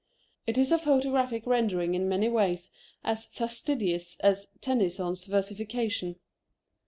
It is a photographic rendering in many ways as fastidious as Tennyson's versification.